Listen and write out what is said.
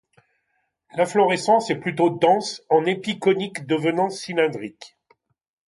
L'inflorescence est plutôt dense, en épi conique devenant cylindrique.